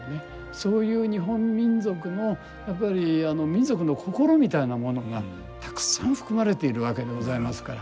そういう日本民族のやっぱり民族の心みたいなものがたくさん含まれているわけでございますから。